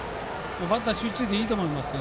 バッター集中でいいと思います。